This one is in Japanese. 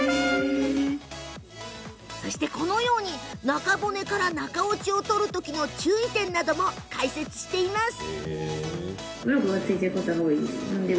中骨から中落ちを取るときの注意点なども解説しています。